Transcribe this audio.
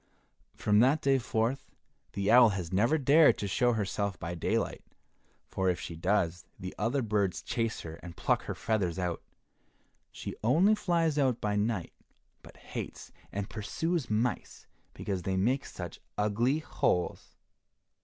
From that day forth, the owl has never dared to show herself by daylight, for if she does the other birds chase her and pluck her feathers out. She only flies out by night, but hates and pursues mice because they make such ugly holes.